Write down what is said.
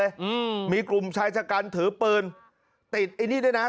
อืมมีกลุ่มชายชะกันถือปืนติดไอ้นี่ด้วยนะ